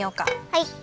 はい。